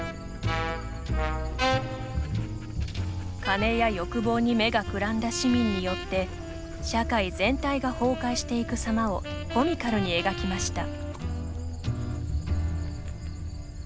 金や欲望に目がくらんだ市民によって社会全体が崩壊していくさまをコミカルに描きました。